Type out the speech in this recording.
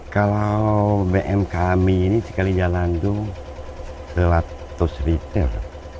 kalau bm kami ini sekali jalan tuh seratus liter